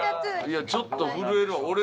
いやちょっと震えるわ。